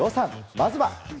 まずは。